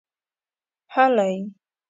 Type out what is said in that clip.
هلئ!